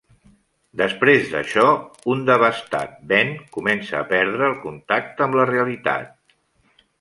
Després d'això, un devastat Ben comença a perdre el contacte amb la realitat.